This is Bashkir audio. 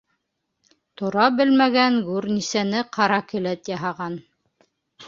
Тора белмәгән гүрнисәне ҡара келәт яһаған.